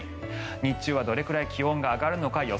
日中はどれくらい気温が上がるのか予想